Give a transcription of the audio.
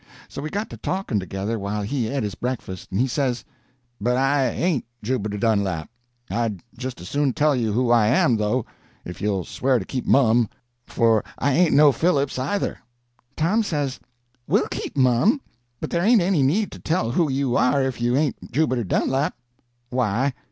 So we got to talking together while he et his breakfast. And he says: "But I aint Jubiter Dunlap. I'd just as soon tell you who I am, though, if you'll swear to keep mum, for I ain't no Phillips, either." Tom says: "We'll keep mum, but there ain't any need to tell who you are if you ain't Jubiter Dunlap." "Why?"